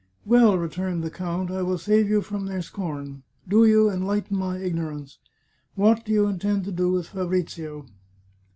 " Well," returned the count, " I will save you from their scorn. Do you enlighten my ignorance. What do you in tend to do with Fabrizio